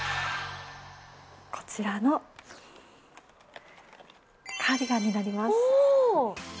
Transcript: こちらのカーディガンになりおー。